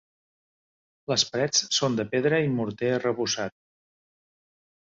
Les parets són de pedra i morter arrebossat.